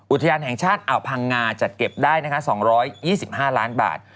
อุทยานแห่งชาติอ่าวพังงาจัดเก็บได้นะคะ๒๒๕ล้านบาท